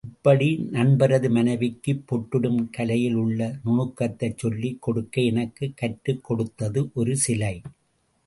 இப்படி நண்பரது மனைவிக்குப் பொட்டிடும் கலையில் உள்ள நுணுக்கத்தைச் சொல்லிக் கொடுக்க எனக்குக் கற்றுக் கொடுத்தது ஒரு சிலை.